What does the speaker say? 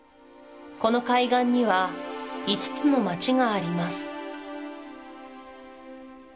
この海岸には５つの町があります